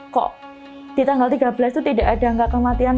kok di tanggal tiga belas itu tidak ada angka kematian